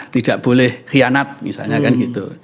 tidak boleh khianat misalnya kan gitu